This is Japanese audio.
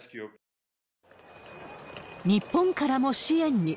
日本からも支援に。